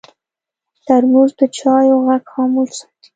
ترموز د چایو غږ خاموش ساتي.